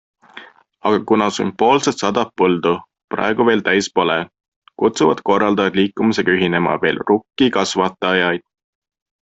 Aga kuna sümboolset sadat põldu praegu veel täis pole, kutsuvad korraldajad liikumisega ühinema veel rukkikasvatajaid.